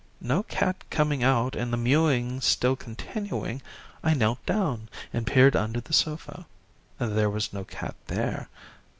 No cat coming out and the mewing still continuing, I knelt down and peered under the sofa. There was no cat there.